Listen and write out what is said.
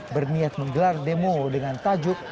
berniat menggelar demo dengan tajuk